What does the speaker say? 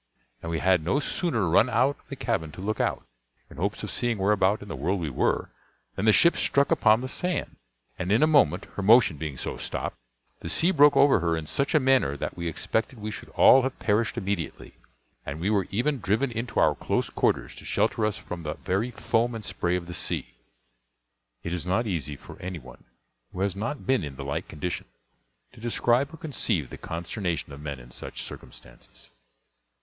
and we had no sooner run out of the cabin to look out, in hopes of seeing whereabout in the world we were, than the ship struck upon the sand, and in a moment, her motion being so stopped, the sea broke over her in such a manner that we expected we should all have perished immediately; and we were even driven into our close quarters, to shelter us from the very foam and spray of the sea. It is not easy for any one who has not been in the like condition to describe or conceive the consternation of men in such circumstances.